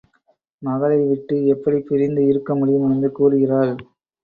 மகளை விட்டு எப்படிப் பிரிந்து இருக்க முடியும் என்று கூறுகிறாள்.